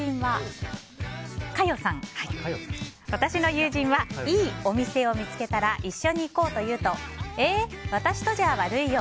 私の友人はいいお店を見つけたら一緒に行こうというとえー、私とじゃ悪いよ。